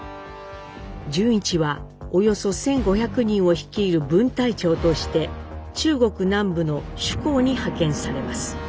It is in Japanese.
潤一はおよそ１，５００人を率いる分隊長として中国南部の珠江に派遣されます。